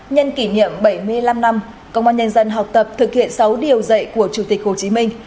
nhân kỷ niệm bảy mươi năm năm công an nhân dân học tập thực hiện sáu điều dạy của chủ tịch hồ chí minh